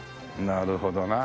なるほどな。